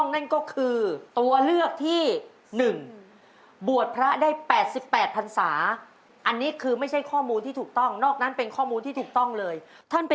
แล้วกลัวข้อต่อไปหนึ่งล้านบาท